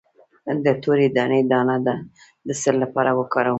د تورې دانې دانه د څه لپاره وکاروم؟